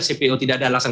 cpo tidak ada alasan